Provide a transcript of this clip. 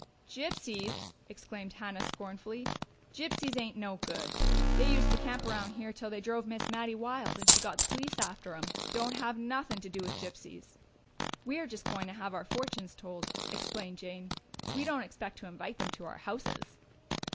"Gypsies!" exclaimed Hannah scornfully. "Gypsies ain't no good! They used to camp around here till they drove Miss Mattie wild and she got the police after 'em. Don't have nuthin' to do with gypsies!" "We're just going to have our fortunes told," explained Jane. "We don't expect to invite them to our houses."